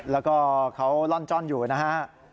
แล้วก็เขาล่อนจ้อนอยู่นะฮะ